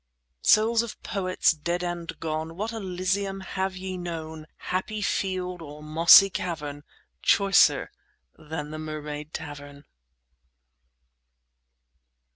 Souls of Poets dead and gone, What Elysium have ye known, Happy field or mossy cavern, Choicer than the Mermaid Tavern?